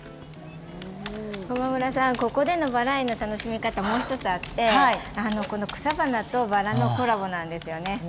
ここでのバラ園の楽しみ方もう１つあって、この草花とバラのコラボなんですよね。